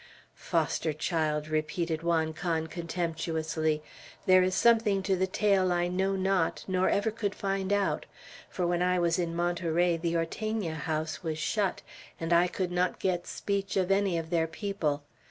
"Foster child!" repeated Juan Can, contemptuously, "there is something to the tale I know not, nor ever could find out; for when I was in Monterey the Ortegna house was shut, and I could not get speech of any of their people.